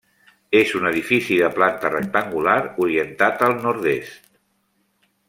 És un edifici de planta rectangular, orientat al nord-est.